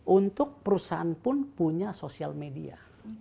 untuk perusahaan pun punya sosial media